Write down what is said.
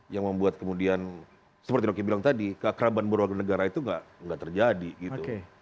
yang membuat kemudian seperti dokter bilang tadi keakraban berwarga negara itu nggak terjadi gitu